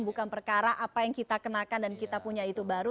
bukan perkara apa yang kita kenakan dan kita punya itu baru